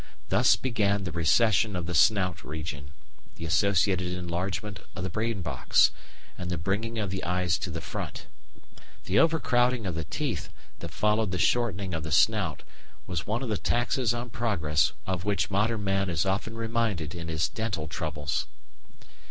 Thus began the recession of the snout region, the associated enlargement of the brain box, and the bringing of the eyes to the front. The overcrowding of the teeth that followed the shortening of the snout was one of the taxes on progress of which modern man is often reminded in his dental troubles.